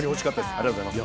ありがとうございます。